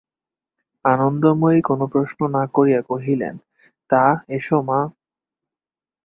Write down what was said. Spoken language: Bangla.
আনন্দময়ী কোনো প্রশ্ন না করিয়া কহিলেন, তা, এসো মা!